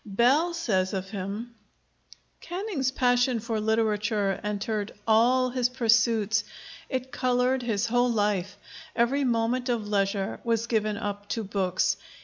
Bell says of him: "Canning's passion for literature entered into all his pursuits. It colored his whole life. Every moment of leisure was given up to books.